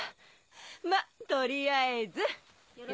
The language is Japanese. まっ取りあえず。